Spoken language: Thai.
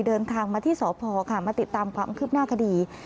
เดินทางมาที่สพค่ะมาติดตามความคืบหน้าคดี